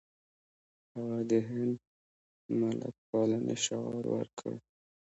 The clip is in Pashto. هغه د هند ملتپالنې شعار ورکړ.